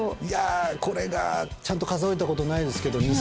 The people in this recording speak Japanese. いやこれがちゃんと数えたことないですけど。